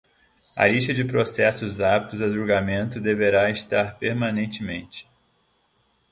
A lista de processos aptos a julgamento deverá estar permanentemente